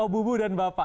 oh bubu dan bapak